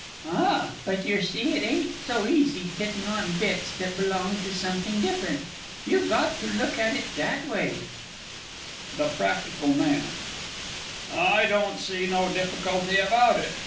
Ah, but yer see it ain't so easy fitting on bits that belonged to something different. You've got to look at it that way. THE P. M. I don't see no difficulty about it.